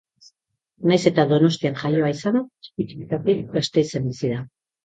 Nahiz eta Donostian jaioa izan, txiki-txikitatik Gasteizen bizi da.